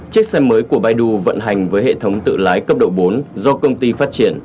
chiếc xe mới của biden vận hành với hệ thống tự lái cấp độ bốn do công ty phát triển